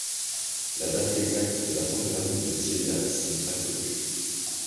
La date exacte de la fin du règne de Tiridate n'est pas connue.